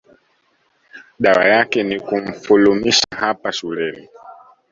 dawa yake ni kumfulumisha hapa shuleni